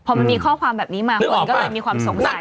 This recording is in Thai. พอมันมีข้อความแบบนี้มาคนก็เลยมีความสงสัย